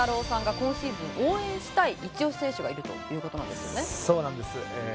さんが今シーズン応援したいイチオシ選手がいるという事なんですよね？